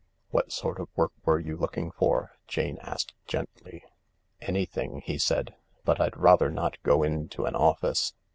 " What sort of work were you looking for ?" Jane asked gently, "Anything," he said, "but I'd rather not go into an office.